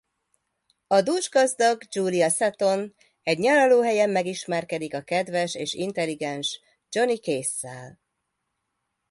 A dúsgazdag Julia Seton egy nyaralóhelyen megismerkedik a kedves és intelligens Johnny Case-zel.